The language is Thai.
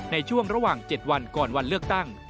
ในช่วงระหว่าง๗วันก่อนวันเลือกตั้ง